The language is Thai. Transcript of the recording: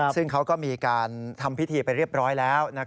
ซึ่งเขาก็มีการทำพิธีไปเรียบร้อยแล้ว